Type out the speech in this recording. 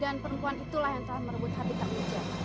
dan perempuan itulah yang telah merebut hati kami jayatri